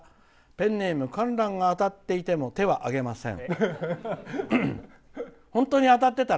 ペンネーム観覧が当たっていても手は挙げません。